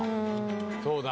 そうだ。